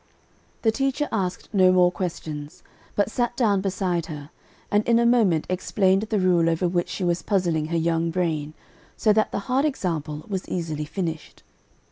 "The teacher asked no more questions, but sat down beside her, and in a moment explained the rule over which she was puzzling her young brain, so that the hard example was easily finished.